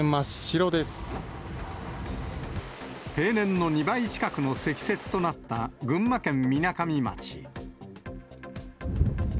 ーへい年の２倍以上の積雪となった群馬県みなかみ町。